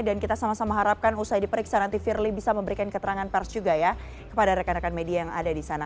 dan kita sama sama harapkan usai diperiksa nanti firly bisa memberikan keterangan pers juga ya kepada rekan rekan media yang ada di sana